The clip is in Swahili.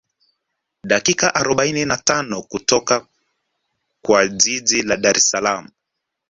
Dakika arobaini na tano kutoka kwa jiji la Dar es Salaam